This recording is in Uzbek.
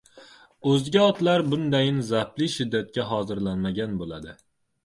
O‘zga otlar bundayin zabtli shiddatga hozirlanmagan bo‘ladi.